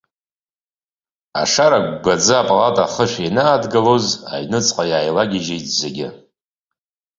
Ашара гәгәаӡа апалата ахышә ианаадгылоз, аҩнуҵҟа иааилагьежьит зегь.